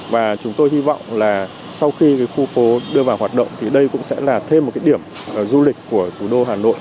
và chúng tôi hy vọng là sau khi khu phố đưa vào hoạt động thì đây cũng sẽ là thêm một cái điểm du lịch của thủ đô hà nội